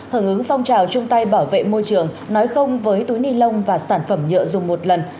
hứng ứng phong trào chung tay bảo vệ môi trường nói không với túi ni lông và sản phẩm nhựa dùng một lần